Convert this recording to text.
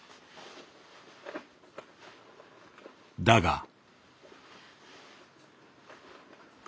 だが。